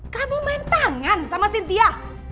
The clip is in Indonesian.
kamu main tangan sama sintia